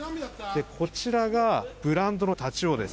こちらがブランドのタチウオです。